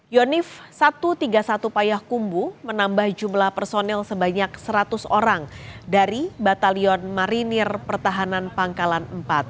yonif satu ratus tiga puluh satu payah kumbu menambah jumlah personil sebanyak seratus orang dari batalion marinir pertahanan pangkalan empat